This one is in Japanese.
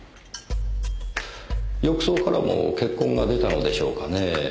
浴槽からも血痕が出たのでしょうかねぇ。